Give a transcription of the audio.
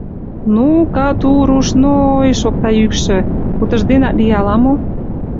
— Ну, кату-руш-но-о-й, — шокта йӱкшӧ, — утыжденат лие ала-мо?